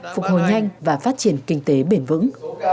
phục hồi nhanh và phát triển kinh tế bền vững